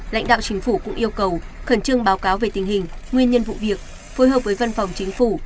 lãnh đạo chính phủ cũng yêu cầu khẩn trương báo cáo về tình hình nguyên nhân vụ việc phối hợp với văn phòng chính phủ